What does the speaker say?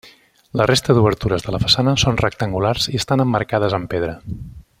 La resta d'obertures de la façana són rectangulars i estan emmarcades en pedra.